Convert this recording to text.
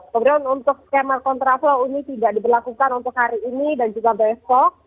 kemudian untuk tema kontra flow ini tidak diberlakukan untuk hari ini dan juga besok